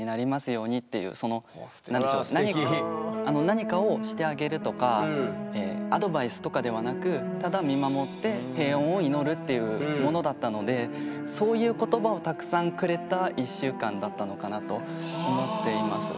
何かをしてあげるとかアドバイスとかではなくっていうものだったのでそういう言葉をたくさんくれた１週間だったのかなと思っています。